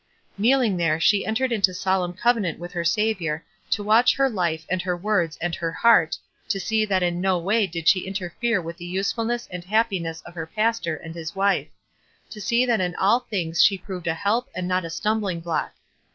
Kneeling there she en tered into solemn covenant with her Saviour to WiZtch her life and her words and her heart, to see that in no way did she interfere with the usefulness and happiness of her pastor and his wife ; to see that in all things she proved a help and not a stumbling block.